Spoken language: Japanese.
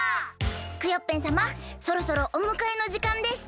クヨッペンさまそろそろおむかえのじかんです。